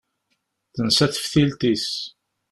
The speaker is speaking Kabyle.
Tensa teftilt-is.